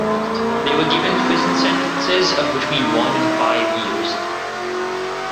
They were given prison sentences of between one and five years.